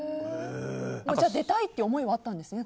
じゃあ出たいという思いはあったんですね。